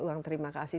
uang terima kasih